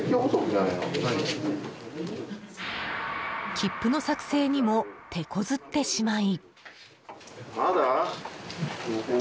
切符の作成にも手こずってしまい。